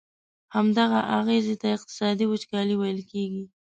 همدغه اغیزي ته اقتصادي وچکالي ویل کیږي.